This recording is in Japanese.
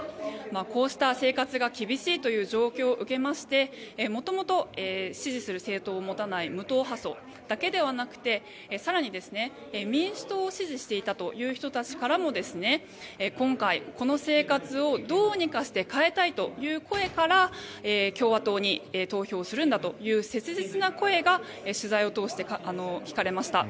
こうした、生活が厳しいという状況を受けまして元々、支持する政党を持たない無党派層だけではなくて更に、民主党を支持していたという人たちからも今回、この生活をどうにかして変えたいという声から共和党に投票するんだという切実な声が取材を通して聞かれました。